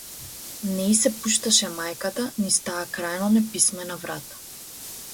Не и се пушташе мајката низ таа крајно неписмена врата.